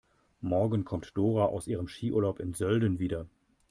Morgen kommt Dora aus ihrem Skiurlaub in Sölden wieder.